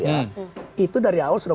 ya itu dari awal sudah